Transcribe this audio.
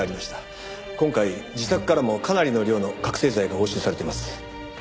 今回自宅からもかなりの量の覚醒剤が押収されています。